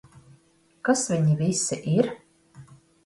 Kas viņi visi ir?